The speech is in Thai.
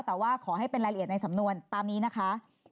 แต่ว่าขอให้เป็นรายละเอียดในสำนวนตามนี้นะคะ